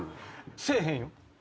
せえへんよ。